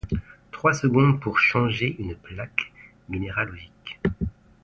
Trois secondes pour changer une plaque minéralogique !